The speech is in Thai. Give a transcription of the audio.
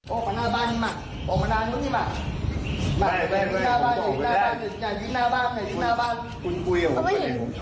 โอ้โฮคุณน่ะนะ